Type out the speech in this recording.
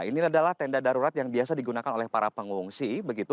ini adalah tenda darurat yang biasa digunakan oleh para pengungsi